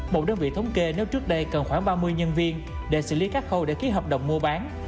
một đơn vị thống kê nếu trước đây cần khoảng ba mươi nhân viên để xử lý các khâu để ký hợp đồng mua bán